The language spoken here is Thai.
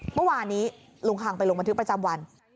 เมื่อวานนี้ลุงคังไปลงบันทึกประจำวัน